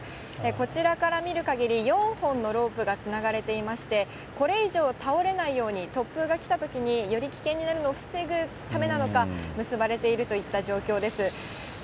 こちらから見るかぎり、４本のロープがつながれていまして、これ以上、倒れないように、突風が来たときにより危険になるのを防ぐためなのか、結ばれているといった状況です。